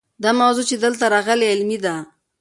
دا موضوع چې دلته راغلې علمي ده.